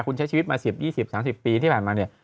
คุณใช้ชีวิตมา๑๐๒๐๓๐ปีที่ผ่านมาเนี่ย